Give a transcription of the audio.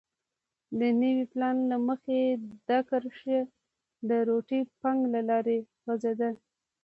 د نوي پلان له مخې دا کرښه د روټي فنک له لارې غځېده.